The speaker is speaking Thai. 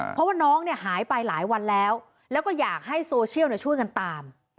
เพราะว่าน้องเนี่ยหายไปหลายวันแล้วแล้วก็อยากให้โซเชียลช่วยกันตาม